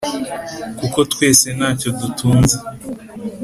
Kuko twese ntacyo dutunze